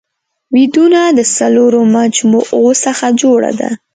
ويدونه د څلورو مجموعو څخه جوړه ده